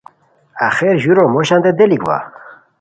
آخر ژورو موشانتے دیلیک وا